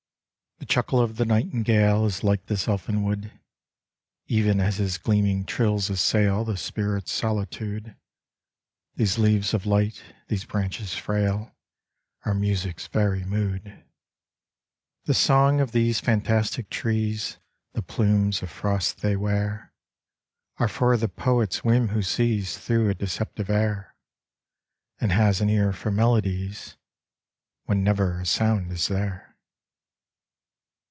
The chuckle of the nightingale Is like this elfin wood. Even as his gleaming trills assail The spirit's solitude, These leaves of light, these branches frail Are music's very mood. The song of these fantastic trees, The plumes of frost they wear, Are for the poet's whim who sees Through a deceptive air, And has an ear for melodies When never a sound is there.